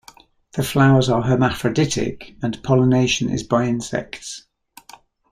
The flowers are hermaphroditic, and pollination is by insects.